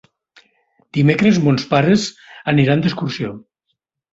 Dimecres mons pares aniran d'excursió.